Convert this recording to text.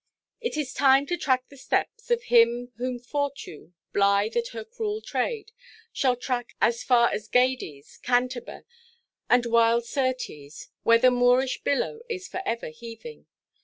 It is time to track the steps of him whom Fortune, blithe at her cruel trade, shall track as far as Gades, Cantaber, and wild Syrtes, where the Moorish billow is for ever heaving.